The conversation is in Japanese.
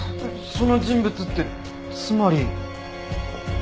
その人物ってつまり。